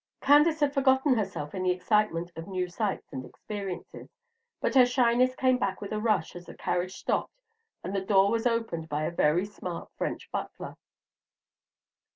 Candace had forgotten herself in the excitement of new sights and experiences; but her shyness came back with a rush as the carriage stopped and the door was opened by a very smart French butler.